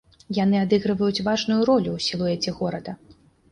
Яны адыгрываюць важную ролю ў сілуэце горада.